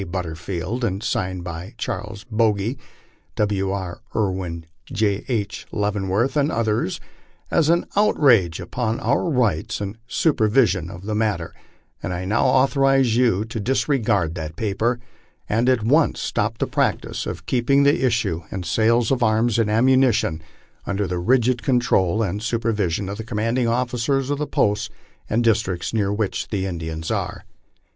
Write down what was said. But terfield, and signed by Charles Bogy, W. B. Irwin, J. H. Leavemvorth, and others, as an outrage upon our rights and supervision of the matter, and I now authorize you to disregard that paper, and at once stop the practice, keeping the issues and sales of arms and ammunition under the rigid control and supervision of the commanding officers of the posts and districts near which the In dians are.